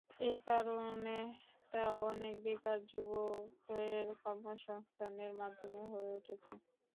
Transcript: এ কারণে তা অনেক বেকার যুবকের কর্মসংস্থানের মাধ্যম হয়ে উঠেছে।